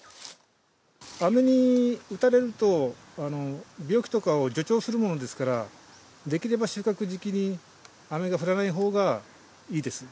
雨に打たれると、病気とかを助長するものですから、できれば収穫時期に雨が降らないほうがいいです。